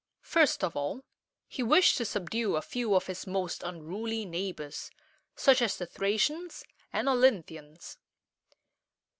First of all, he wished to subdue a few of his most unruly neighbors, such as the Thracians and O lyn´thi ans.